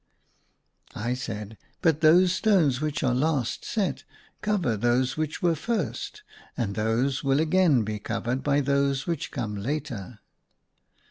I said, " But those stones which are last set cover those which were first ; and those will again be covered by those which come later."